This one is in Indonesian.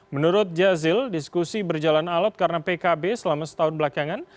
menurut jazil diskusi berjalan alat karena pkb selama setahun belakangan